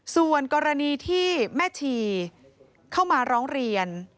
ส่วนกรณีที่แม่ชีเข้ามาร้องเรียน